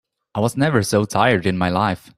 I was never so tired in my life.